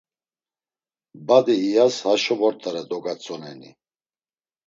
Badi iyas haşo vort̆are dogatzoneni?